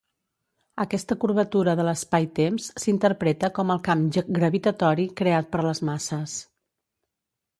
Aquesta curvatura de l'espaitemps s'interpreta com el camp gravitatori creat per les masses.